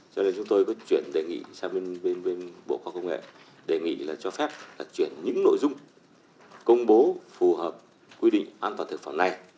cho nên chúng tôi có chuyển đề nghị sang bên bên bộ khoa công nghệ đề nghị là cho phép là chuyển những nội dung công bố phù hợp quy định an toàn thực phẩm này